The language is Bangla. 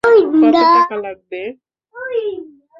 কতো টাকা লাগবে?